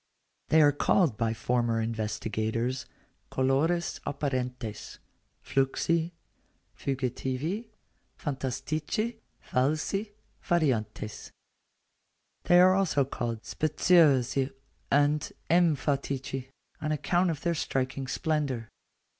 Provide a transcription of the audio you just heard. They are called by former investigators colores apparentes, fluxi, fugitivi, phantastici, falsi, variantes. They are also called speciosi and emphatici, on account of their striking splendour.